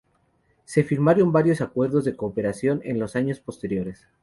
Se firmaron varios acuerdos de cooperación en los años posteriores.